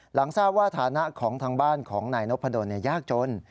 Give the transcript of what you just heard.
หลังทราบว่าฐานะของทางบ้านของนายนพดลยากจน